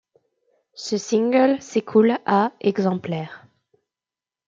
Ce single s'écoule à exemplaires.